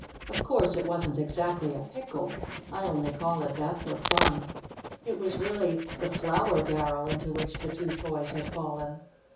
Of course, it wasn't exactly a "pickle." I only call it that for fun. It was really the flour barrel into which the two toys had fallen.